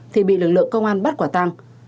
thì bị lực lượng công an bắt quả tăng